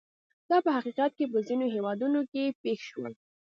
دا په حقیقت کې په ځینو هېوادونو کې پېښ شول.